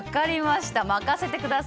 任せてください。